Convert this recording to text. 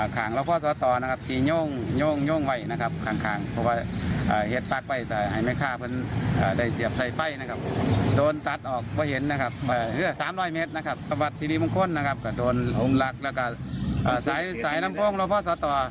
กะโดนหลักและกะสายน้ำโป้งละพ่อสต